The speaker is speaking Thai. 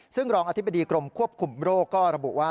ซึ่งรองอธิบดีกรมควบคุมโรคก็ระบุว่า